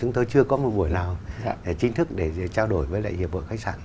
chúng tôi chưa có một buổi nào chính thức để trao đổi với lại hiệp hội khách sạn